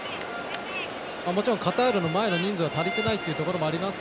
もちろんカタールの前の人数足りていないということもあります